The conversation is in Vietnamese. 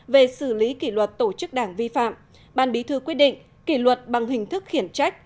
về xử lý kỷ luật tổ chức đảng vi phạm ban bí thư quyết định kỷ luật bằng hình thức khiển trách